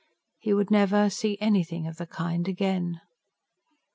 He would never see anything of the kind again.